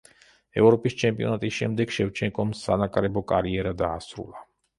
ევროპის ჩემპიონატის შემდეგ შევჩენკომ სანაკრებო კარიერა დაასრულა.